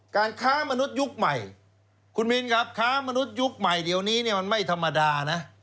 การค้ามนุษยุคใหม่คุณมินครับค้ามนุษยุคใหม่เดี๋ยวนี้เนี่ยมันไม่ธรรมดานะ